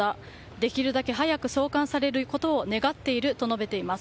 できるだけ早く送還されることを願っていると述べています。